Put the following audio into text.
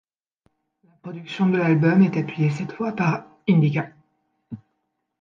La production de l'album est appuyée cette fois par Indica.